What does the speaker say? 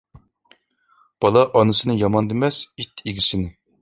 بالا ئانىسىنى يامان دېمەس، ئىت ئىگىسىنى.